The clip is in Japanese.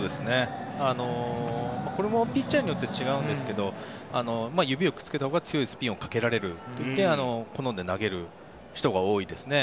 これもピッチャーによって違うんですけど指をくっつけたほうが強いスピンをかけられるので好んで投げる人が多いですね。